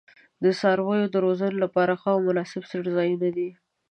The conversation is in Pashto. د څارویو د روزنې لپاره ښه او مناسب څړځایونه دي.